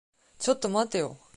ちょっと待ってよ。